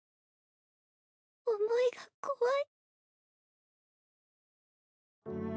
思いが怖い。